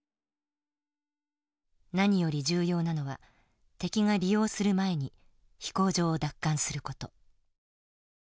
何より重要なのは敵が利用する前に飛行場を奪還すること。